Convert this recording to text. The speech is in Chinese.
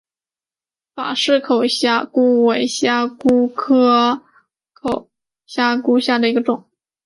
法氏口虾蛄为虾蛄科口虾蛄属下的一个种。